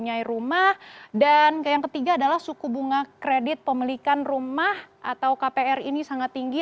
yang ketiga adalah suku bunga kredit pemilikan rumah atau kpr ini sangat tinggi